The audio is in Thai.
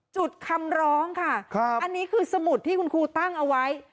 จุดคำร้องค่ะอันนี้คือสมุดที่คุณครูตั้งเอาไว้